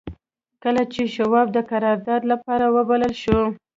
کله چې شواب د قرارداد لپاره وبلل شو.